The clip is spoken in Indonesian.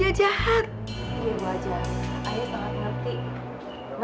iya bu aja ayah pengen ngerti